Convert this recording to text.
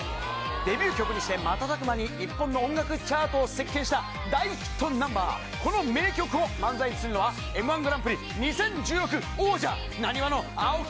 デビュー曲にして瞬く間に日本の音楽チャートを席けんした大ヒットナンバー、この名曲を漫才にするのは、Ｍー１グランプリ２０１６王者、ナニワの蒼き